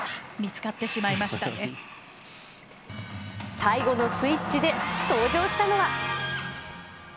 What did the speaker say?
最後のスイッチで、登場したのは。